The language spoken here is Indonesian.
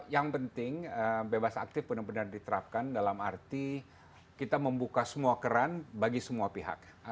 yang penting bebas aktif benar benar diterapkan dalam arti kita membuka semua keran bagi semua pihak